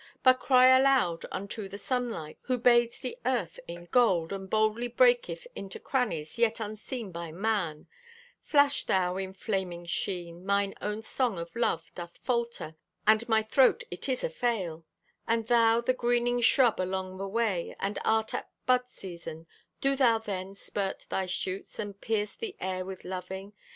But cry aloud unto the sunlight Who bathes the earth in gold And boldly breaketh into crannies Yet unseen by man: Flash thou in flaming sheen! Mine own song of love doth falter And my throat, it is afail! And thou, the greening shrub along the way, And earth at bud season, Do thou then spurt thy shoots And pierce the air with loving!